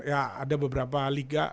ya ada beberapa liga